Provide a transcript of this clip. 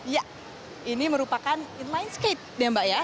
ya ini merupakan inline skate ya mbak ya